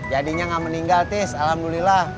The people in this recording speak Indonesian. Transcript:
jadinya ga meninggal tish alhamdulillah